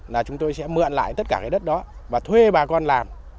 là chúng tôi sẽ mượn lại tất cả cái đất đó và thuê bà con làm